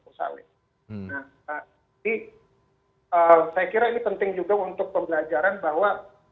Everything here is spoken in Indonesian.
saya kira ini penting juga untuk pembelajaran bahwa